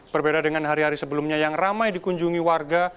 berbeda dengan hari hari sebelumnya yang ramai dikunjungi warga